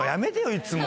いつも。